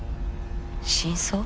真相？